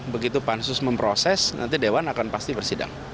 begitu pansus memproses nanti dewan akan pasti bersidang